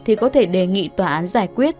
thì có thể đề nghị tòa án giải quyết